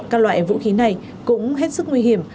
các loại vũ khí này cũng hết sức nguy hiểm